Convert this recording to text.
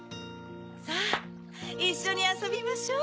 さぁいっしょにあそびましょう。